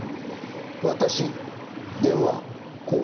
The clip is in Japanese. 「私電話光」